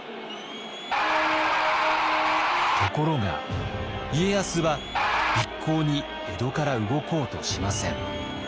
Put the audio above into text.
ところが家康は一向に江戸から動こうとしません。